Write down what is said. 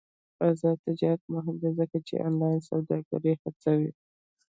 آزاد تجارت مهم دی ځکه چې آنلاین سوداګري هڅوي.